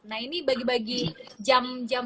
nah ini bagi bagi jam jam